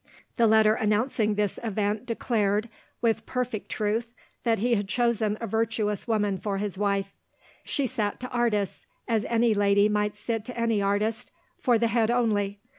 The letter announcing this event declared, with perfect truth, that he had chosen a virtuous woman for his wife. She sat to artists, as any lady might sit to any artist, "for the head only."